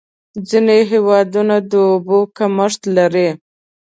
ځینې هېوادونه د اوبو کمښت لري.